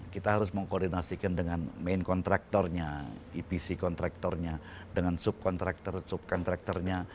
kita harus mengkoordinasikan dengan main kontraktornya ipc kontraktornya dengan sub kontraktor sub kontraktornya